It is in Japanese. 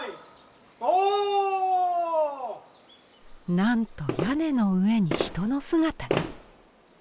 なんと屋根の上に人の姿が！